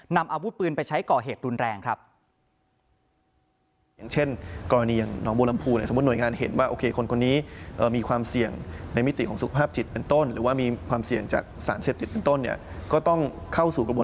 นำอาวุธปืนไปใช้ก่อเหตุรุนแรงครับ